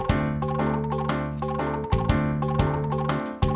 ami sudah resign